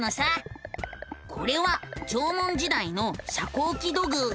これは縄文時代の遮光器土偶。